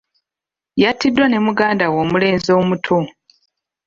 Yattiddwa ne muganda we omulenzi omuto.